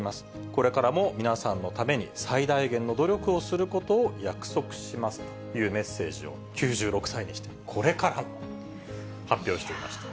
これからも皆さんのために、最大限の努力をすることを約束しますというメッセージを９６歳にして、これからと発表していました。